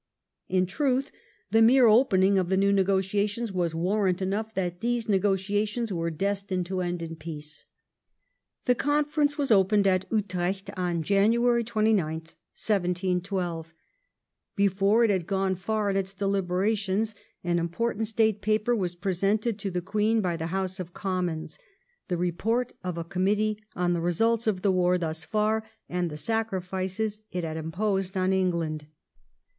In truth, the mere opening of the new negotiations was warrant enough that these negotiations were destined to end in peace. The Conference was opened at Utrecht on Janu ary 29, 1712. Before it had gone far in its delibera tions an important State paper was presented to the Queen by the House of Commons, the report of a committee on the results of the war thus far, and the sacrifices it had imposed on England.